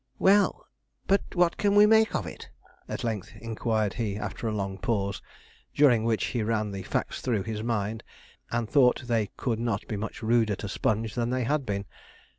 'Well, but what can we make of it?' at length inquired he, after a long pause, during which he ran the facts through his mind, and thought they could not be much ruder to Sponge than they had been.